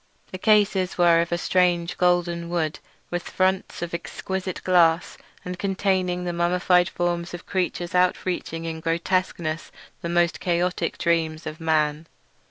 The cases were of a strange golden wood, with fronts of exquisite glass, and contained the mummified forms of creatures outreaching in grotesqueness the most chaotic dreams of man.